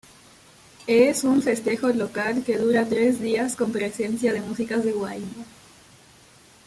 Es una festejo local que dura tres días con presencia de músicas de huayno.